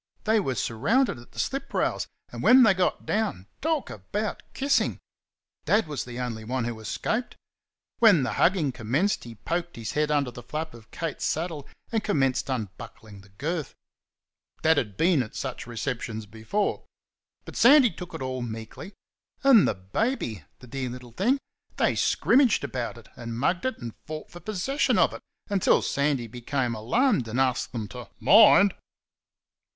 They were surrounded at the slip rails, and when they got down talk about kissing! Dad was the only one who escaped. When the hugging commenced he poked his head under the flap of Kate's saddle and commenced unbuckling the girth. Dad had been at such receptions before. But Sandy took it all meekly. And the baby! (the dear little thing) they scrimmaged about it, and mugged it, and fought for possession of it until Sandy became alarmed and asked them to "Mind!"